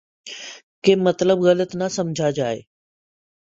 کہ مطلب غلط نہ سمجھا جائے۔